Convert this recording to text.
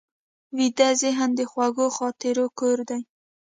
ویده ذهن د خوږو خاطرو کور دی